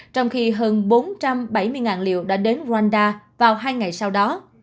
trong khi hơn bốn trăm bảy mươi liều đã đến rwanda vào hai ngày sau đó